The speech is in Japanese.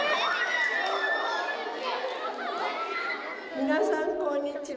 皆さんこんにちは。